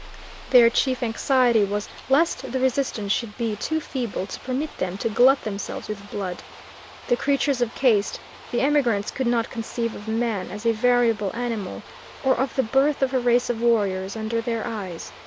Their chief anxiety was lest the resistance should be too feeble to permit them to glut themselves with blood. The creatures of caste, the emigrants could not conceive of man as a variable animal, or of the birth of a race of warriors under their eyes.